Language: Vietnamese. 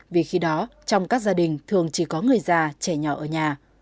vì khi đó trong các gia đình thường chỉ có người già trẻ nhỏ ở nhà